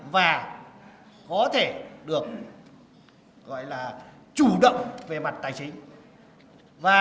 và có thể được gọi là chủ động về mặt tài chính